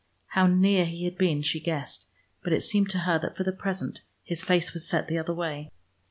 How near he had been, she guessed, but it seemed to her that for the present his face was set the other way.